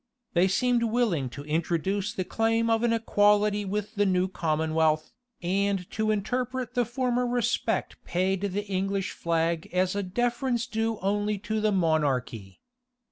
They seemed willing to introduce the claim of an equality with the new commonwealth, and to interpret the former respect paid the English flag as a deference due only to the monarchy.